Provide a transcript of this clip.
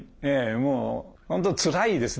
もう本当つらいですね。